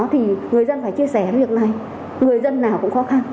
thì người dân phải chia sẻ cái việc này người dân nào cũng khó khăn